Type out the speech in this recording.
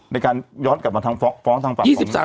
ในการย้อนกลับมาทางฟ้องทางฝั่ง